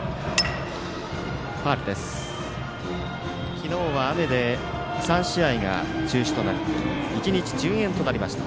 昨日は雨で３試合が中止となって１日順延となりました。